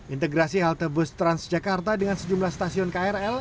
integrasi halte bus transjakarta dengan sejumlah stasiun krl